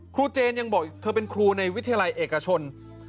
เจนยังบอกเธอเป็นครูในวิทยาลัยเอกชน